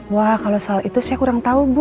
wah kalau soal itu saya kurang tahu bu